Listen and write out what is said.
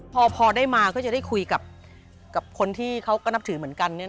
พอได้มาก็จะได้คุยกับคนที่เขาก็นับถือเหมือนกัน